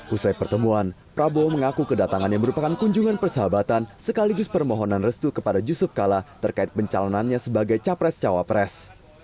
usai pertemuan prabowo mengaku kedatangannya merupakan kunjungan persahabatan sekaligus permohonan restu kepada yusuf kala terkait pencalonannya sebagai capres cawapres